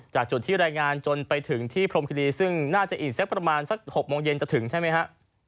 จากจุดที่รายงานจนไปถึงที่พรมคิรีซึ่งน่าจะอีกสักประมาณสัก๖โมงเย็นจะถึงใช่ไหมฮะ